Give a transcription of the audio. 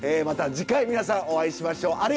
また次回皆さんお会いしましょう！